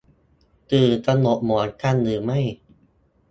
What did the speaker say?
ตื่นตระหนกเหมือนกันหรือไม่